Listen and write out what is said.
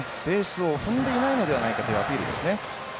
ベースを踏んでいないのではないかというアピールですね